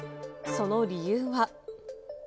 その理由は。